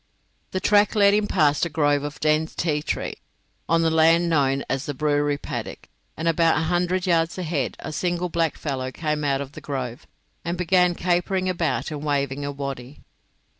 The track led him past a grove of dense ti tree, on the land now known as the Brewery Paddock, and about a hundred yards ahead a single blackfellow came out of the grove, and began capering about and waving a waddy.